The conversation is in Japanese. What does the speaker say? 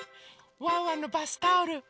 ワンワンのバスタオル。